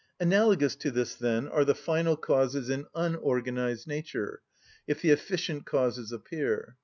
Analogous to this, then, are the final causes in unorganised nature, if the efficient causes appear.